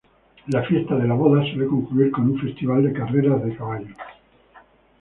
La fiesta de la boda suele concluir con un festival de carreras de caballos.